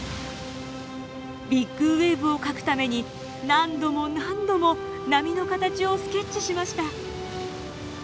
ビッグウエーブを描くために何度も何度も波の形をスケッチしました。